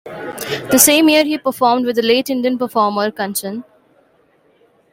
The same year, he performed with late Indian performer Kanchan.